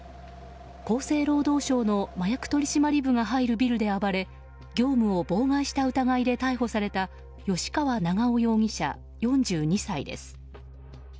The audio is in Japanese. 厚生労働省の麻薬取締部が入るビルで暴れ業務を妨害した疑いで逮捕された吉川長男容疑者、４２歳です。